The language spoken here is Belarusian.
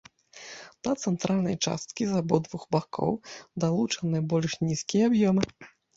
Да цэнтральнай часткі з абодвух бакоў далучаны больш нізкія аб'ёмы.